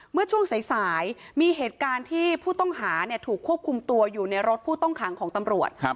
เมื่อช่วงสายมีเหตุการณ์ที่ผู้ต้องหาถูกควบคุมตัวอยู่ในรถผู้ต้องขังของตำรวจ